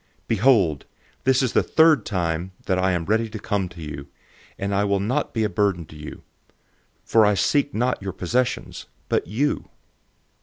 012:014 Behold, this is the third time I am ready to come to you, and I will not be a burden to you; for I seek not your possessions, but you.